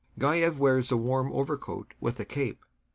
GAEV wears a warm overcoat with a cape.